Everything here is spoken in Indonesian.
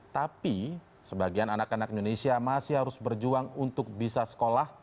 tapi sebagian anak anak indonesia masih harus berjuang untuk bisa sekolah